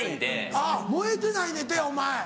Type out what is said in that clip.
あっ燃えてないねんてお前。